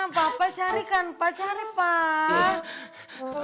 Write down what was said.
papa carikan pa cari pa